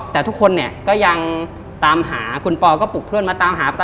แต่ทุกคนก็ยังตามหาคุณพ่อก็ปลูกเพื่อนมาตามหาตามหา